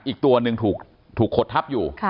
อีกตัวหนึ่งถูกขดทับอยู่